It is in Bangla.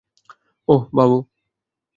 ওহ, বাবু।